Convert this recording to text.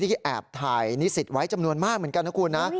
ที่แอบถ่ายนิสิตไว้จำนวนมากเหมือนกันนะคุณนะ